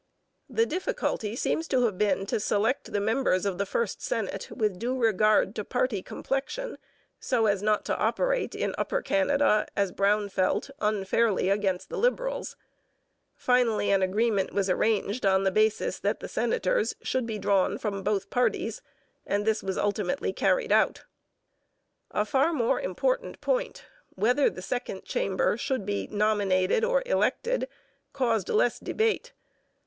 The difficulty seems to have been to select the members of the first Senate with due regard to party complexion, so as not to operate in Upper Canada, as Brown felt, unfairly against the Liberals. Finally, an agreement was arranged on the basis that the senators should be drawn from both parties; and this was ultimately carried out. A far more important point, whether the second chamber should be nominated or elected, caused less debate.